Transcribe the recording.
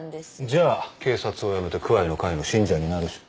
じゃあ警察を辞めてクアイの会の信者になるし。